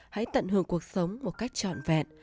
hãy tận hưởng cuộc sống một cách trọn vẹn